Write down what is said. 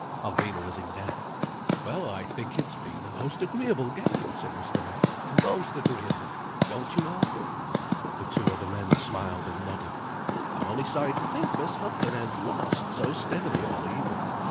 Alvina was in debt. "Well I think it's been a most agreeable game," said Mr. May. "Most agreeable! Don't you all?" The two other men smiled and nodded. "I'm only sorry to think Miss Houghton has lost so steadily all evening.